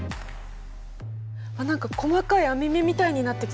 あっ何か細かい網目みたいになってきた。